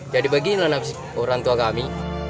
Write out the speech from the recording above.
jadi bagilah nafsi orang tua kami